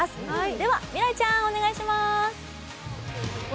では未来ちゃん、お願いします。